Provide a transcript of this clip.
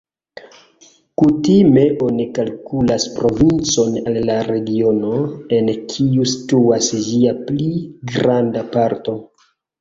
Kutime oni kalkulas provincon al la regiono, en kiu situas ĝia pli granda parto.